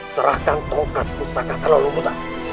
serahkan tokat pusaka salamu buta